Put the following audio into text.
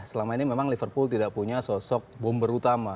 selama ini memang liverpool tidak punya sosok bomber utama